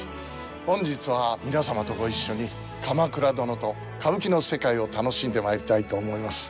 本日は皆様とご一緒に「鎌倉殿」と歌舞伎の世界を楽しんでまいりたいと思います。